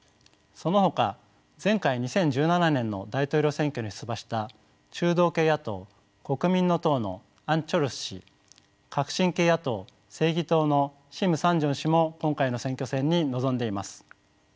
そのほか前回２０１７年の大統領選挙に出馬した中道系野党「国民の党」のアン・チョルス氏革新系野党「正義党」のシム・サンジョン氏も今回の選挙戦に臨んでいます。